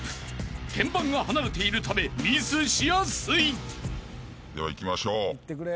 ［鍵盤が離れているためミスしやすい］ではいきましょう。